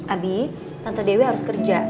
abi tante dewi harus kerja